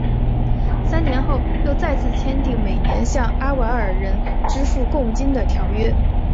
三年后又再次签订每年向阿瓦尔人支付贡金的条约。